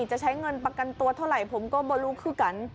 จะใช้เงินประกันตัวเท่าไหร่ผมก็ไม่รู้คือกัน